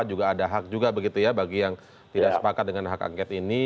juga ada hak juga begitu ya bagi yang tidak sepakat dengan hak angket ini